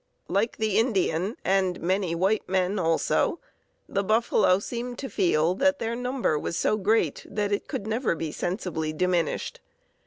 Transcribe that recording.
Like the Indian, and many white men also, the buffalo seemed to feel that their number was so great it could never be sensibly diminished.